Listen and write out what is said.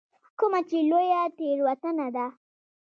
کومه چې لویه تېروتنه ده.